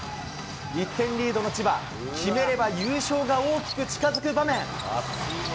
１点リードの千葉、決めれば優勝が大きく近づく場面。